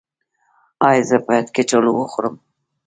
ایا زه باید کچالو وخورم؟